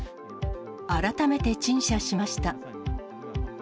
改めて陳謝しました。